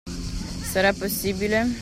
Sarà possibile?